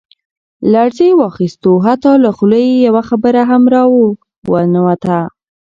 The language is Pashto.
لړزې واخستو حتا له خولې يې يوه خبره هم را ونوته.